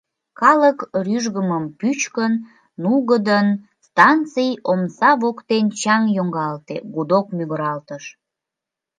Калык рӱжгымым пӱчкын, нугыдын, станций омса воктен чаҥ йоҥгалте, гудок мӱгыралтыш.